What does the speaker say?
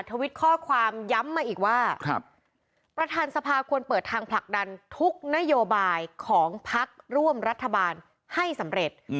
ทวิตข้อความย้ำมาอีกว่าประธานสภาควรเปิดทางผลักดันทุกนโยบายของพักร่วมรัฐบาลให้สำเร็จ